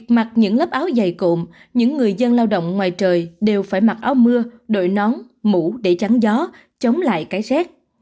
mặc những lớp áo dày cụm những người dân lao động ngoài trời đều phải mặc áo mưa đội nón mũ để trắng gió chống lại cái xét